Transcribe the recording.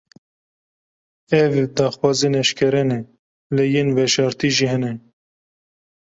Ev, daxwazên eşkere ne; lê yên veşartî jî hene